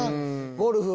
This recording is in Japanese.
ゴルフ